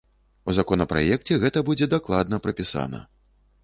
У законапраекце гэта будзе дакладна прапісана.